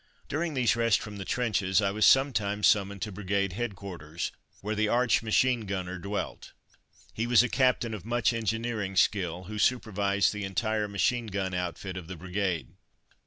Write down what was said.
During these rests from the trenches I was sometimes summoned to Brigade Headquarters, where the arch machine gunner dwelt. He was a captain of much engineering skill, who supervised the entire machine gun outfit of the Brigade.